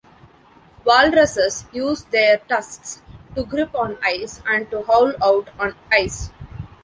Walruses use their tusks to grip on ice and to haul out on ice.